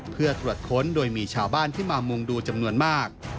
เพื่อตรวจค้นโดยมีชาวบ้านที่มามุงดูจำนวนมาก